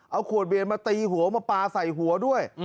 เอาขวดเบียนมาตีหัวมาปลาใส่หัวด้วย